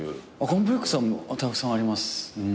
コンプレックスはたくさんあります。